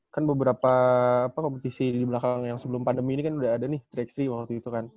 kan beberapa kompetisi di belakang yang sebelum pandemi ini kan udah ada nih tiga x tiga waktu itu kan